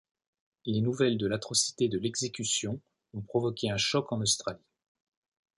Les nouvelles de l'atrocité de l’exécution ont provoqué un choc en Australie.